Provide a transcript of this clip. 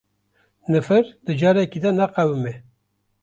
Nifir di carekî de naqewime